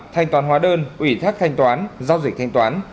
thanh toán hóa đơn ủy thác thanh toán giao dịch thanh toán